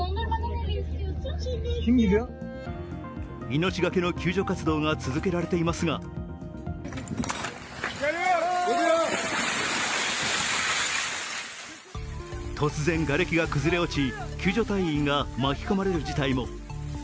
命がけの救助活動が続けられていますが突然、がれきが崩れ落ち、救助隊員が巻き込まれる事態も。